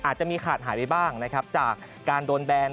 อาจจะมีขาดหายไปบ้างนะครับจากการโดนแบน